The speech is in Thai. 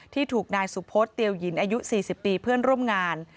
ที่ถูกนายสุโพธิ์เตียวหยินอายุสี่สิบปีเพื่อนร่วมงาน